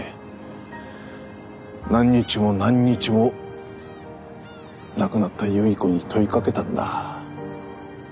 何日も何日も亡くなった有依子に問いかけたんだ。